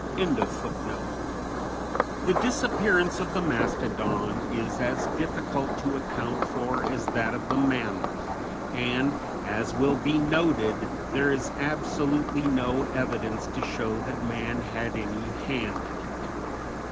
_ The disappearance of the mastodon is as difficult to account for as that of the mammoth, and, as will be noted, there is absolutely no evidence to show that man had any hand in it.